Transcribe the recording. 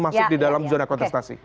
masuk di dalam zona kontestasi